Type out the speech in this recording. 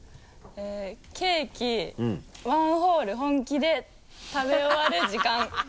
ケーキ１ホール本気で食べ終わる時間。